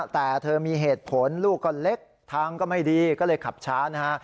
แต่เธอมีเหตุผลลูกก็เล็กทางก็ไม่ดีก็เลยขับช้านะฮะ